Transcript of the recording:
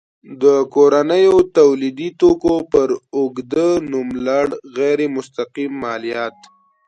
د کورنیو تولیدي توکو پر اوږده نوملړ غیر مستقیم مالیات.